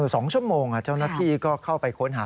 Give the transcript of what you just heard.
๒ชั่วโมงเจ้าหน้าที่ก็เข้าไปค้นหา